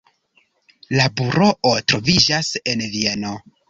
La buroo troviĝas en Vieno.